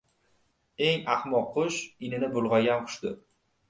• Eng axmoq qush ― inini bulg‘agan qushdir.